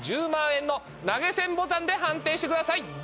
１０万円の投げ銭ボタンで判定してください。